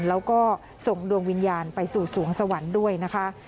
แล้วก็ส่งดวงวิญญาณไปสู่สวงสวรรค์ด้วยนะคะ